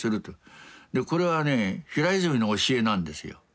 これはね平泉の教えなんですよ。